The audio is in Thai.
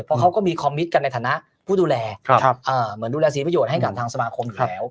เพราะเขาก็มีคอมมิตกันในฐานะผู้ดูแลเหมือนดูแลเสียประโยชน์ให้กับทางสมาคมอยู่แล้ว